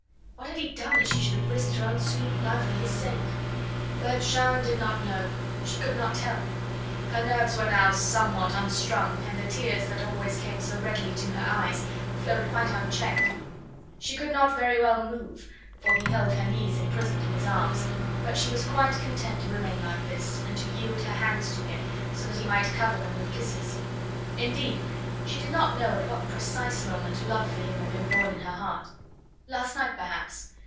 What had he done that she should have risked her own sweet life for his sake? But Jeanne did not know. She could not tell. Her nerves now were somewhat unstrung, and the tears that always came so readily to her eyes flowed quite unchecked. She could not very well move, for he held her knees imprisoned in his arms, but she was quite content to remain like this, and to yield her hands to him so that he might cover them with kisses. Indeed, she did not know at what precise moment love for him had been born in her heart. Last night, perhaps...